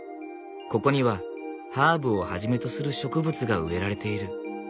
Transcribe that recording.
ここにはハーブをはじめとする植物が植えられている。